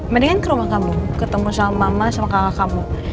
mendingan ke rumah kamu ketemu sama mama sama kakak kamu